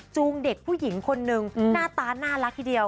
เด็กผู้หญิงคนนึงหน้าตาน่ารักทีเดียว